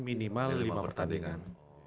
minimal lima pertandingan